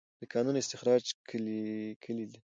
د کانونو استخراج کلي ده؟